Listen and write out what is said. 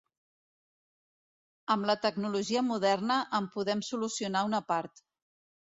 Amb la tecnologia moderna, en podem solucionar una part.